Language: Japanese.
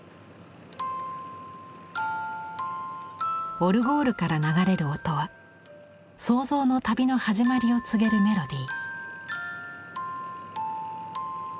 オルゴールから流れる音は想像の旅の始まりを告げるメロディー。